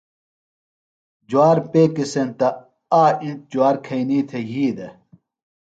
جوار پیکیۡ سینتہ آ اِنڇ جُوار کھئینی تھےۡ یھی دےۡ۔